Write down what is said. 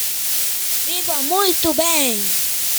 Viva muito bem